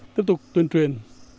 tiếp tục tuyên truyền